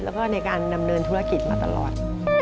แล้วก็ในการดำเนินธุรกิจมาตลอด